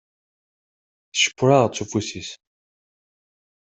Tcewweṛ-aɣ-d s ufus-is.